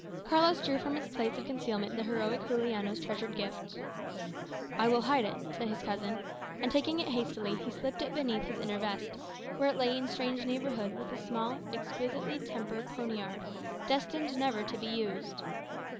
Carlos drew from its place of concealment the heroic Juliano's treasured gift. "I will hide it," said his cousin; and taking it hastily, he slipped it beneath his inner vest, where it lay in strange neighbourhood with a small, exquisitely tempered poniard, destined never to be used.